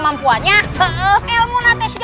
ampun pak bisik